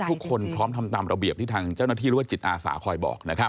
และทุกคนพร้อมทำตามระเบียบที่ทางเจ้าน้าที่รัวจิตอาสาคอยบอก